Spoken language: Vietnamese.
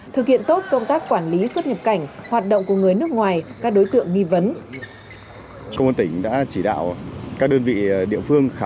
thực hiện tốt công tác quản lý xuất nhập cảnh hoạt động của người nước ngoài các đối tượng nghi vấn